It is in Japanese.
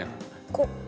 こう。